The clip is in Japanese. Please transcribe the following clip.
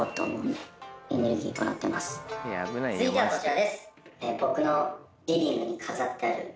続いてはこちらです。